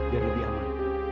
biar lebih aman